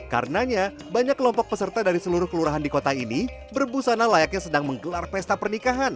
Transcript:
karenanya banyak kelompok peserta dari seluruh kelurahan di kota ini berbusana layaknya sedang menggelar pesta pernikahan